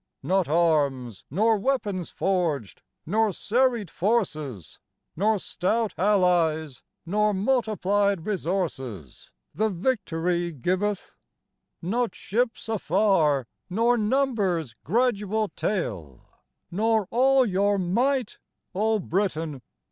Not arms, nor weapons forged, nor serried forces, Nor stout Allies nor multiplied resources The victory giveth; Not ships afar, nor numbers gradual tale, Nor all your might, oh Britain!